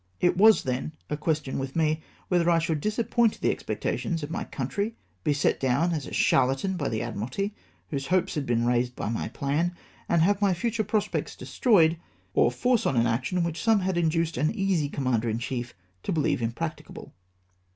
It was, then, a question with me, whether I should disappoint the expectations of my country ; be set down as a charlatan by the Admiralty, whose hopes had been raised by my plan ; have my future prospects destroyed ; or force on an action which some had induced an easy commander in chief to believe impracticable.